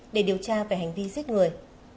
để điều tra về hành vi giết người